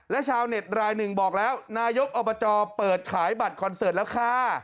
และชาวเน็ตรายหนึ่งบอกแล้วนายกอบจเปิดขายบัตรคอนเสิร์ตแล้วค่ะ